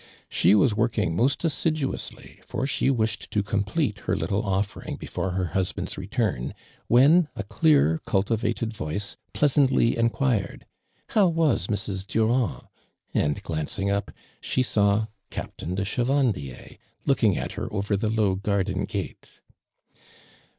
She was working most assiduously, for she wished to complete her little oftoring Ijefore her husband's return, when a clear cultiva ted voice pleasantly enquired, ' How was Mrs. Durand,' and glancing up, she saw Captain de Chev?ndier looking at her over t he low garden gate.